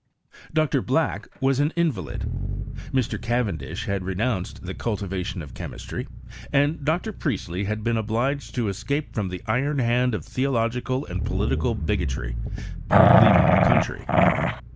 Dr. Black was an invalid, Mr. Cavendish had renounced the cultivation of chemistry, and Dr. Priestley had been obliged to es cape from the iron hand of theological and political bigotry, by leaving the country.